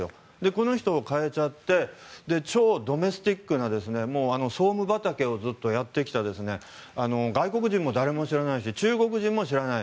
この人を代えちゃって超ドメスティックな総務畑をずっとやってきた外国人も誰も知らないし中国人も知らない。